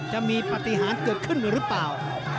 จะมีปฏิหารเกิดขึ้นหรือเปล่า